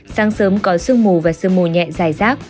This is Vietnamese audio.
sáng sớm có sương mù và sương mù nhẹ dài rác